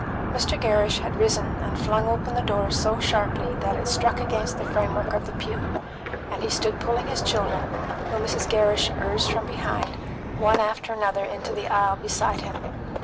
Mr. Gerrish had risen and flung open the door so sharply that it struck against the frame work of the pew, and he stood pulling his children, whom Mrs. Gerrish urged from behind, one after another, into the aisle beside him.